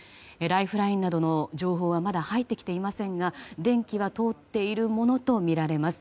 ライフラインなどの情報はまだ入ってきていませんが電気は通っているものとみられます。